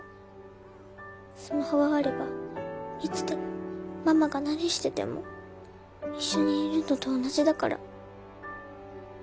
スマホがあればいつでもママが何してても一緒にいるのと同じだから。